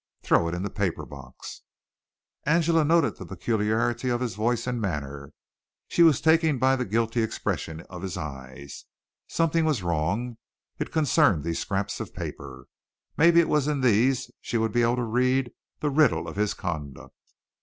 Throw it in the paper box." Angela noted the peculiarity of his voice and manner. She was taken by the guilty expression of his eyes. Something was wrong. It concerned these scraps of paper. Maybe it was in these she would be able to read the riddle of his conduct.